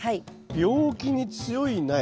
病気に強い苗。